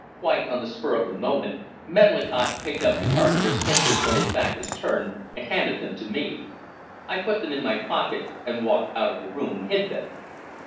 Quite on the spur of the moment Medlicott picked up the carpenter's pincers when his back was turned and handed them to me. I put them in my pocket and walked out of the room and hid them.